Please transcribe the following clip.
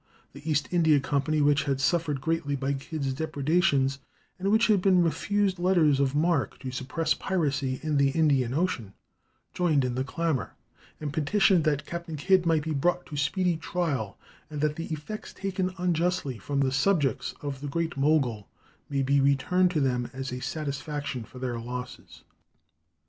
The East India Company, which had suffered greatly by Kidd's depredations, and which had been refused letters of marque to suppress piracy in the Indian Ocean, joined in the clamour, and petitioned that Captain Kidd "might be brought to speedy trial, and that the effects taken unjustly from the subjects of the Great Mogul may be returned to them as a satisfaction for their losses."